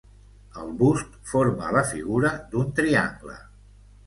El bust forma la figura d'un triangle.